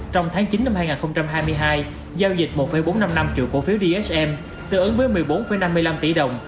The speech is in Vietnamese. trong tháng chín năm hai nghìn hai mươi hai giao dịch một bốn trăm năm mươi năm triệu cổ phiếu dsm tương ứng với một mươi bốn năm mươi năm tỷ đồng